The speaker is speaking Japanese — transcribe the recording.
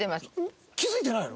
気付いてないの？